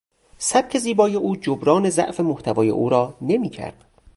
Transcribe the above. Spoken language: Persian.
سبک زیبای او جبران ضعف محتوای او را نمیکرد.